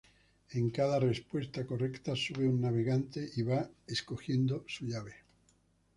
En cada respuesta correcta sube un navegante y va escogiendo su llave.